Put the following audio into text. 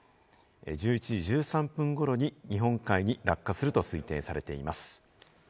１１時１３分頃に日本海に落下すると推定されています。